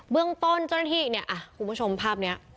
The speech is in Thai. เรื่องต้นเจ้าหน้าที่เนี่ยคุณผู้ชมภาพนี้